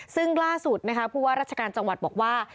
ซึ่งล่าสุดนะคะผู้ว่าราชการจังหวัดบอกว่า